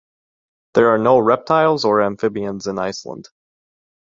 There are no reptiles or amphibians in Iceland.